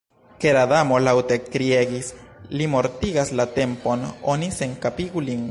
Kera Damo laŭte kriegis: 'Li mortigas la Tempon; oni senkapigu lin.'"